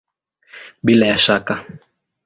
Bila ya shaka!